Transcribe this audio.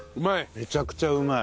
めちゃくちゃうまい。